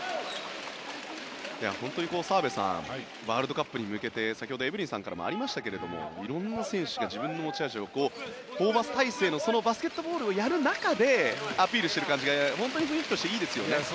本当に、澤部さんワールドカップに向けて先ほどエブリンさんからもありましたけど色んな選手が自分の持ち味をホーバス体制のそのバスケットボールをやる中でアピールしている感じが雰囲気としていいですよね。